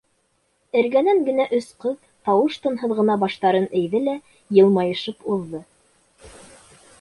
Эргәнән генә өс ҡыҙ, тауыш-тынһыҙ ғына баштарын эйҙе лә, йылмайышып уҙҙы.